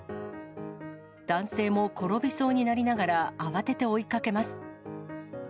男性も転びそうになりながら、慌てて追いかけます。